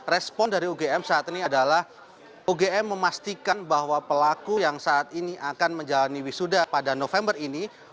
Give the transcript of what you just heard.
respon dari ugm saat ini adalah ugm memastikan bahwa pelaku yang saat ini akan menjalani wisuda pada november ini